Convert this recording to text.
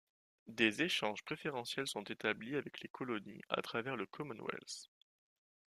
Des échanges préférentiels sont établis avec les colonies à travers le Commonwealth.